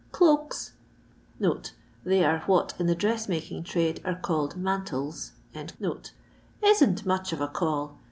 Ctoait (they are what in the dress making trade are callel mantles) isn't much of a call.